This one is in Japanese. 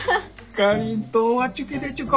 かりんとうは好きでちゅか？